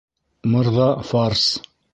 Мырҙа фарс.